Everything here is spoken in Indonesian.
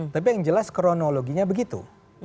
tapi yang jelas kronologinya begitu